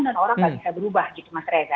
dan orang nggak bisa berubah gitu mas reza